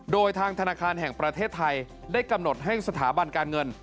โดยทางธนาคารแห่งประเทศไทยได้กำหนดให้สถาบันการเงิน